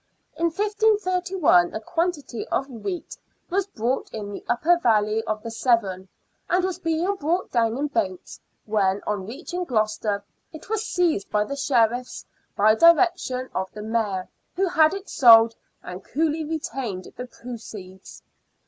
In 1531 a quantity of wheat was bought in the upper valley of the Severn, and was being brought down in boats, when, on reaching Gloucester, it was 36 SIXTEENTH CENTURY BRISTOL. seized by the Sheriffs by direction of the Mayor, who had it sold, and coolly retained the proceeds.